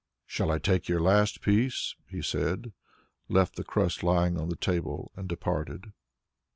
"Shall I take your last piece?" he said, left the crust lying on the table and departed.